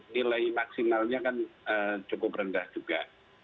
nilai maksimalnya kan cukup rendah juga